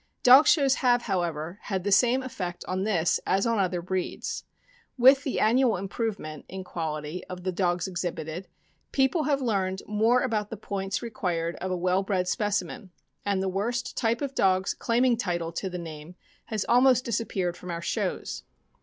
Dog shews have, however, had the same effect on this as on other breeds. With the annual improvement, in quality, of the dogs exhibited, people have learned more about the points required of a well bred specimen, and the worst type of dogs claiming title to the name has almost disappeared from our shows.